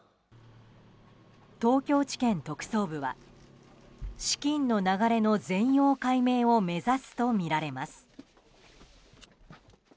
東京地検特捜部は資金の流れの全容解明を目指すとみられます。